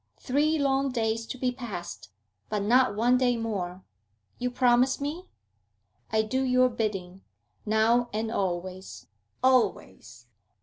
Three long days to be passed, but not one day more. You promise me?' 'I do your bidding, now and always, always!'